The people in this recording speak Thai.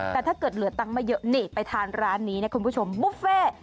แต่ถ้าเกิดเหลือตังค์มาเยอะนี่ไปทานร้านนี้นะคุณผู้ชมบุฟเฟ่